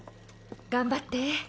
頑張って。